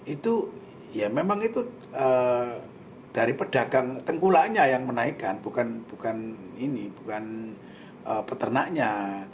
itu ya memang itu dari pedagang tengkulaknya yang menaikkan bukan ini bukan peternaknya